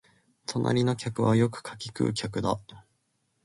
隣の客はよく柿喰う客だ